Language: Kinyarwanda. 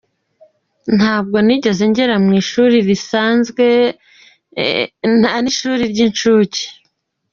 Ntabwo nigeze ngera mu ishuri risanzwe… Nta n’ishuri ry’inshuke.